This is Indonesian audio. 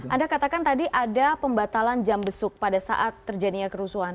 anda katakan tadi ada pembatalan jam besuk pada saat terjadinya kerusuhan